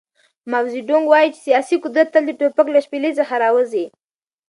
ماو زیډونګ وایي چې سیاسي قدرت تل د ټوپک له شپېلۍ څخه راوځي.